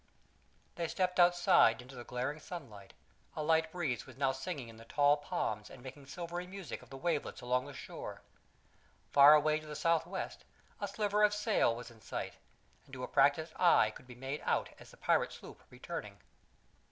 They stepped outside into the glaring sunlight; a light breeze was now singing in the tall palms and making silvery music of the wavelets along the shore; far away to the southwest a sliver of sail was in sight, and to a practised eye could be made out as the pirate sloop returning.